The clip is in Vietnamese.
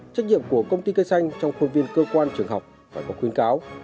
trách nhiệm của công ty cây xanh trong khuôn viên cơ quan trường học phải có khuyến cáo